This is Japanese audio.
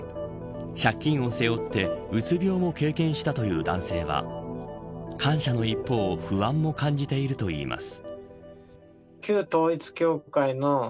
借金を背負ってうつ病も経験したという男性は感謝の一方不安も感じているといいます。